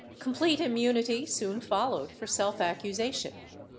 ^ Complete immunity soon followed for self accusation.